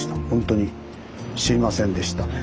ほんとに知りませんでした。